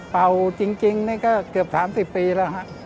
จริงนี่ก็เกือบ๓๐ปีแล้วฮะ